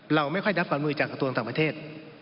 เราไม่ค่อยรับความร่วมมือจากกระทรวงต่างประเทศ